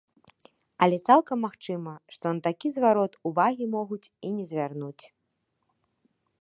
Але цалкам магчыма, што на такі зварот увагі могуць і не звярнуць.